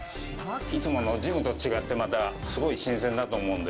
いつものジムと違って、またすごい新鮮だと思うんで。